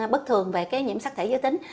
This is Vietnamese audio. bất thường về cái nhiễm sắc thể dưới tính